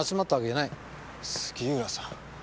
杉浦さん。